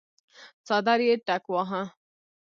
څادر يې ټکواهه.